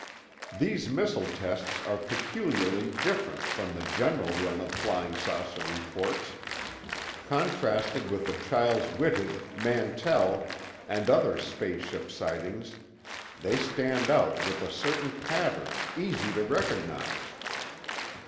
These missile tests are peculiarly different from the general run of flying saucer reports. Contrasted with the Chiles Whitted, Mantell, and other space ship sightings, they stand out with a certain pattern, easy to recognize.